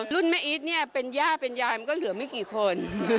แม่อีทเนี่ยเป็นย่าเป็นยายมันก็เหลือไม่กี่คน